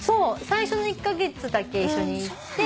最初の１カ月だけ一緒にいて。